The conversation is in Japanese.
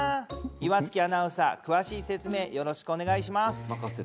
岩槻アナウンサー詳しい説明よろしくお願いします。